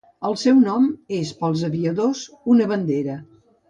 El seu nom és per als aviadors una bandera.